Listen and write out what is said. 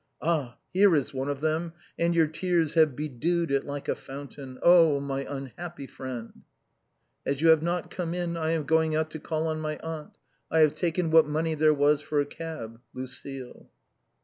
Ah ! here is one of them, and your tears have bedewed it like a fountain. Oh ! my unhappy friend ! "As you have not come in, I am going out to call on my aunt. I have taken what money there was for a cab. " LUCILE."